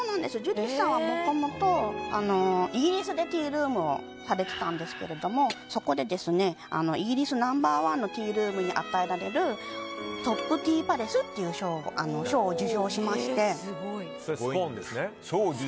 Ｊｕｒｉさんはもともとイギリスでティールームをされていたんですがそこで、イギリスナンバー１のティールームに与えられるＴＯＰＴＥＡＰＬＡＣＥという賞を受賞しまして。